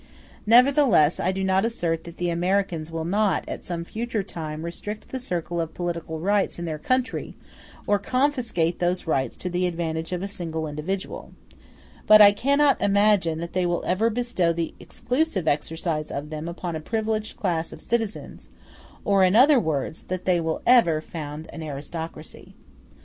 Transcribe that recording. Nevertheless, I do not assert that the Americans will not, at some future time, restrict the circle of political rights in their country, or confiscate those rights to the advantage of a single individual; but I cannot imagine that they will ever bestow the exclusive exercise of them upon a privileged class of citizens, or, in other words, that they will ever found an aristocracy.